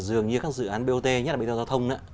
dường như các dự án bot nhất là bệnh viện giao thông